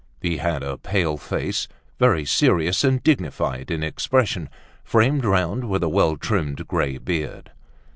He had a pale face, very serous and dignified in expression, framed round with a well trimmed grey beard.